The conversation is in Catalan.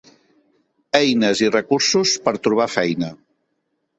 Eines i recursos per trobar feina.